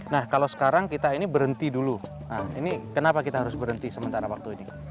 nah kalau sekarang kita ini berhenti dulu nah ini kenapa kita harus berhenti sementara waktu ini